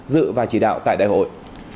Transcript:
dự và chỉ đạo tại đại hội